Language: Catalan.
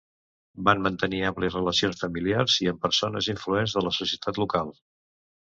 Van mantenir àmplies relacions familiars i amb persones influents de la societat local.